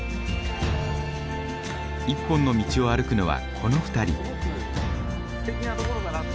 一本の道を歩くのはこの２人。